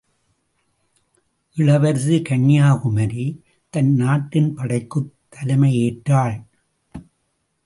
இளவரசி கன்யாகுமரி தன் நாட்டின் படைக்குத் தலைமை ஏற்றாள்.